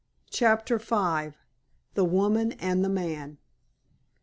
CHAPTER V. THE WOMAN AND THE MAN.